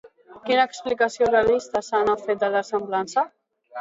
Quina explicació realista se n'ha fet de la seva semblança?